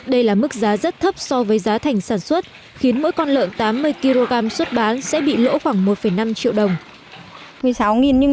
đây là mức giá rất thấp so với giá thành sản xuất khiến mỗi con lợn tám mươi kg xuất bán sẽ bị lỗ khoảng một năm triệu đồng